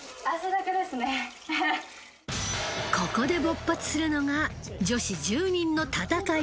ここで勃発するのが女子１０人の戦い